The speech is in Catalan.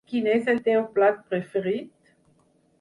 Quin és el teu plat preferit?